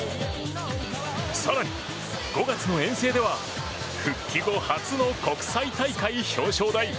更に、５月の遠征では復帰後初の国際大会表彰台。